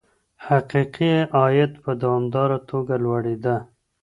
حقيقي عايد په دوامداره توګه لوړېده.